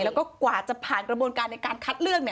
แล้วก็กว่าจะผ่านกระบวนการในการคัดเลือก